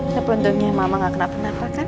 ya beruntungnya mama gak kenapa napa kan